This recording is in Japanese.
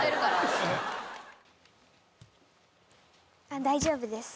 あっ大丈夫です。